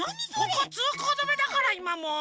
ここつうこうどめだからいまもう。